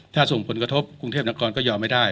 ถ้าส่งผลกระทบกรุงเทพนครก็ยอมไม่ได้